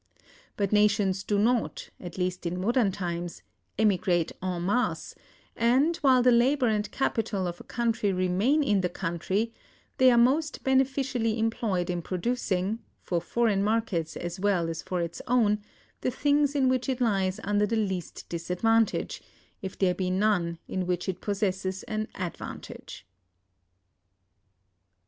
But nations do not, at least in modern times, emigrate en masse; and, while the labor and capital of a country remain in the country, they are most beneficially employed in producing, for foreign markets as well as for its own, the things in which it lies under the least disadvantage, if there be none in which it possesses an advantage.